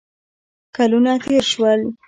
کلونه تېر شول.